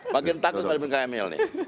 makin takut tidak ada bkm ini